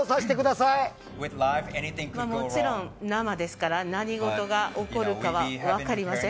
もちろん生ですから何事が起こるかは分かりません。